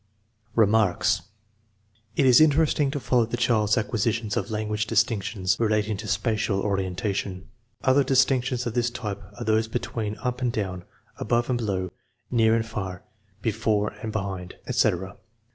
Remarks. It is interesting to follow the child's acquisi tions of language distinctions relating to spacial orientation. Other distinctions of this type are those between up and down, above and below, near and far, before and behind, 176 THE MEASUREMENT OF INTELLIGENCE etc.